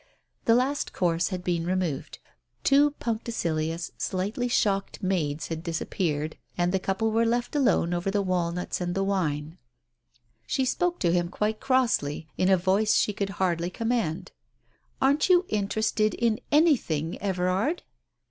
The last course had been removed, two punctilious, slightly shocked maids had disappeared, and the couple were left alone over the walnuts and the wine. She spoke to him quite crossly, in a voice she could hardly command. "Aren't you interested in anything, Everard?"